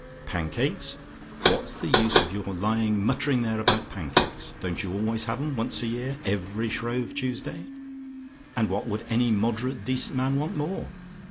"PANCAKES? "What's the use of your lying muttering there about pancakes? Don't you always have 'em once a year every Shrove Tuesday? And what would any moderate, decent man want more?